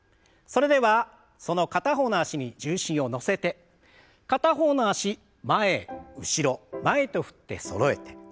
それではその片方の脚に重心を乗せて片方の脚前後ろ前と振ってそろえて。